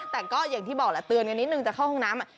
แต่ก็อย่างที่บอกแหละเตือนกันนิดนึงจะเข้าห้องน้ำ